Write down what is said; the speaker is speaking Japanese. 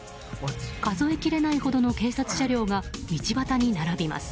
数えきれないほどの警察車両が道端に並びます。